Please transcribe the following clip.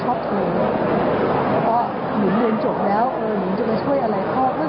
ก็เรียนเรียนจบแล้วเราจะไปช่วยอะไรเขาก็ยังไม่ได้คิดไม่ได้มันจะทำอย่างสุด